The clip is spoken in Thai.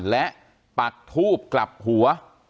และปักทูบกลับหัว